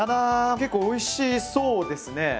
結構おいしそうですね。